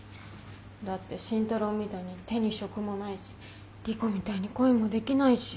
だって慎太郎みたいに手に職もないし莉子みたいに恋もできないし。